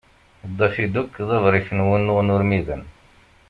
Daffy Duck d abṛik n wunuɣen urmiden.